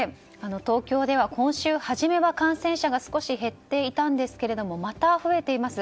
東京では今週初めは感染者が少し減っていたんですがまた増えています。